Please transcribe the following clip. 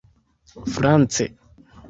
france